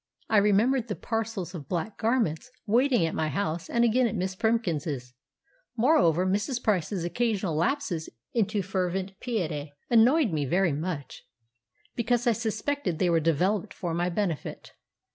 I remembered the parcels of black garments waiting at my house and again at Miss Primkins'. Moreover, Mrs. Price's occasional lapses into fervent piety annoyed me very much, because I suspected they were developed for my benefit.